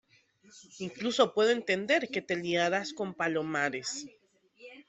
incluso puedo entender que te liaras con Palomares.